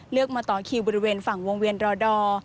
เลือกมาต่อคีย์บริเวณฝั่งวงเวียนรอดอ